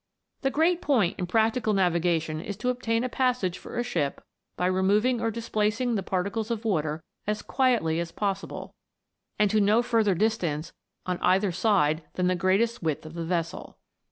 The great point in practical navigation is to obtain a passage for a ship by removing or dis placing the particles of water as quietly as possible, and to no further distance on either side than the greatest width of the vessel.